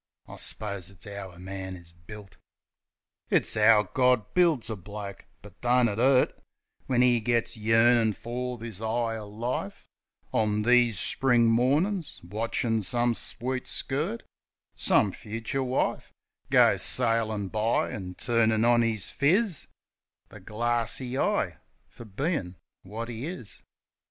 I s'pose it's 'ow a man is built. It's 'ow Gawd builds a bloke; but don't it 'urt When 'e gits yearnin's fer this 'igher life, On these Spring mornin's, watchin' some sweet skirt — Some fucher wife — Go sailin' by, an' turnin' on his phiz The glarssy eye — fer bein' wot 'e is.